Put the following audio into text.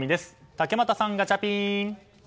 竹俣さん、ガチャピン。